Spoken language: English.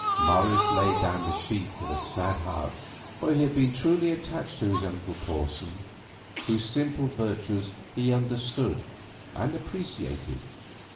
Morris laid down the sheet with a sad heart, for he had been truly attached to his uncle Porson, whose simple virtues he understood and appreciated.